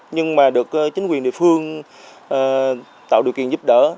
nhưng mà được chính quyền địa phương tạo điều kiện giúp đỡ